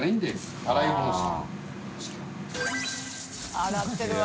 洗ってるわ。